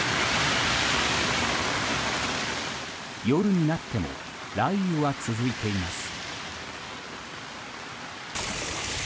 夜になっても雷雨は続いています。